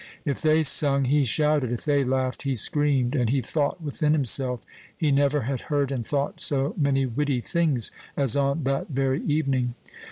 If they sung, he shouted; if they laughed, he screamed; and he thought within himself he never had heard and thought so many witty things as on that very evening.